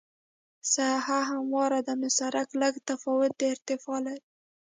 ساحه همواره ده نو سرک لږ تفاوت د ارتفاع لري